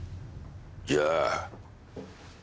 じゃあ。